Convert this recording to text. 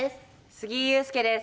杉井勇介です。